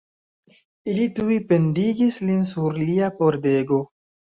Ili tuj pendigis lin sur lia pordego.